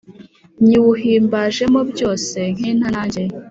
Nyiwuhimbajemo byose nk intanage